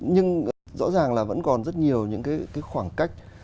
nhưng rõ ràng là vẫn còn rất nhiều những cái khoảng cách